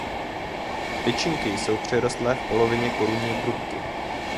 Tyčinky jsou přirostlé v polovině korunní trubky.